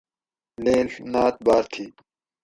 لیڷ ناۤت باۤر تھی